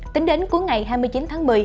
tính đến cuối ngày hai mươi chín tháng một mươi